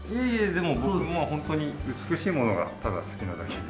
でも僕もうホントに美しいものがただ好きなだけで。